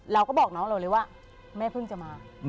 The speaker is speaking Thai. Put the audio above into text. เราก็บอกน้องเราเลยว่าแม่เพิ่งจะมา